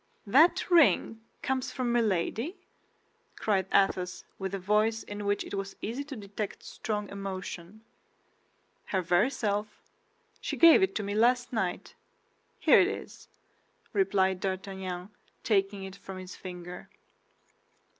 "That ring comes from Milady?" cried Athos, with a voice in which it was easy to detect strong emotion. "Her very self; she gave it me last night. Here it is," replied D'Artagnan, taking it from his finger.